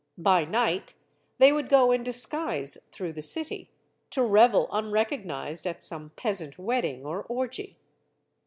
By night, they would go in disguise through the city, to revel unrecognized at some peasant wedding or orgy.